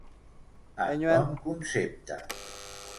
En bon concepte.